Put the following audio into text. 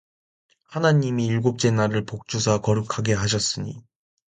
하나님이 일곱째 날을 복 주사 거룩하게 하셨으니